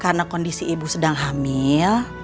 karena kondisi ibu sedang hamil